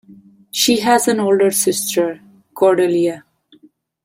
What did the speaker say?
She has an older sister, Cordelia.